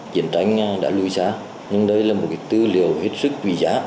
chiến tranh đã lùi xa nhưng đây là một tư liệu hết sức quý giá